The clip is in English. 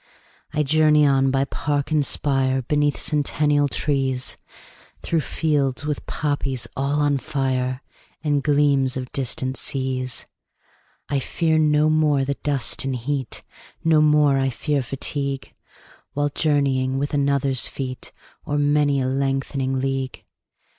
20 I journey on by park and spire, Beneath centennial trees, Through fields with poppies all on fire, And gleams of distant seas. I fear no more the dust and heat, 25 No more I fear fatigue, While journeying with another's feet O'er many a lengthening league.